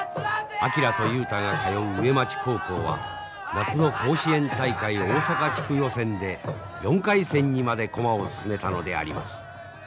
昭と雄太が通う上町高校は夏の甲子園大会大阪地区予選で４回戦にまで駒を進めたのであります。